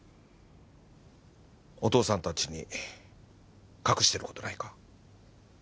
お父さん達に隠してることないか？